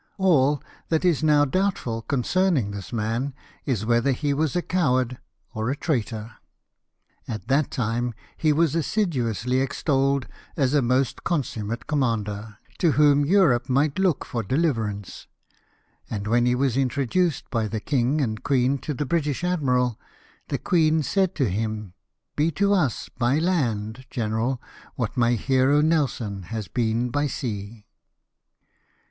All that is now doubtful concerning this man is whether he was a coward or a traitor ; at that time he was assiduously extolled as a most consum mate commander, to whom Europe might look for deliverance ; and when he Avas introduced by the king and queen to the British admiral, the queen said to him, '' Be to us by land, general, what my hero Nelson has been by sea."